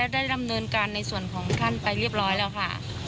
ได้ดำเนินการในส่วนของท่านไปเรียบร้อยแล้วค่ะ